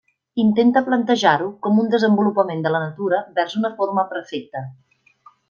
Intenta plantejar-ho com un desenvolupament de la natura vers una forma perfecta.